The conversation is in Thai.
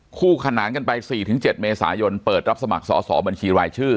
คู่ขนานกันไป๔๗เมษายนเปิดรับสมัครสอบบัญชีรายชื่อ